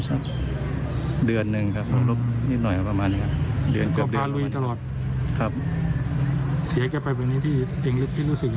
เสียแก่ไปแบบนี้ที่รู้สึกยังไง